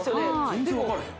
全然分からへん